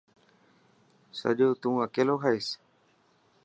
سڄو تون اڪيلو کائيس.